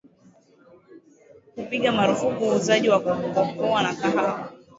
kupiga marufuku uuzaji wa cocoa na kahawa